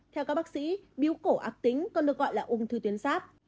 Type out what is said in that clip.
theo các bác sĩ bíu cổ ác tính còn được gọi là ung thư tuyến sáp